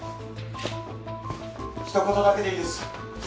ひと言だけでいいです。